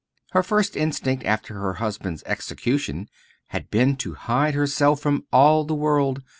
Her first instinct after her husband's execution had been to hide herself from all the world.